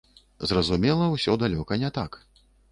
Зразумела ўсё далёка не так.